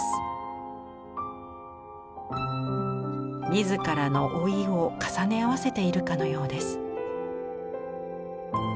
自らの老いを重ね合わせているかのようです。